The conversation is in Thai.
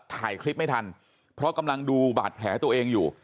ถ่ายคลิปไม่ทันเพราะกำลังดูบาดแผลตัวเองอยู่